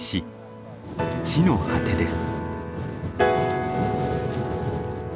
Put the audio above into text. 地の果てです。